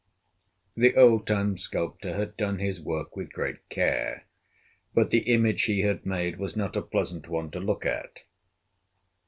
The old time sculptor had done his work with great care, but the image he had made was not a pleasant one to look at.